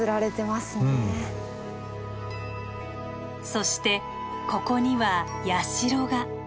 そしてここには社が。